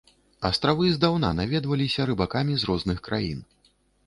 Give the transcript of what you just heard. Астравы здаўна наведваліся рыбакамі з розных краін.